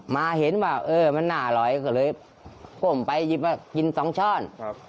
มาเห็นว่ามันน่าอร่อยก็เลยป้มไปยิบกิน๒ช้อน